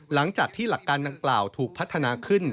หลังจากที่หลักการดังกล่าวถูกพัฒนาขึ้น